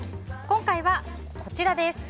今回は、こちらです。